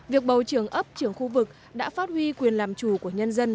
việc bầu trưởng ấp trưởng khu vực đã phát huy quyền làm chủ của nhân dân